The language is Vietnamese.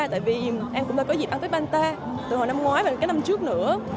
tại vì em cũng đã có dịp ăn tết ban ta từ hồi năm ngoái và cái năm trước nữa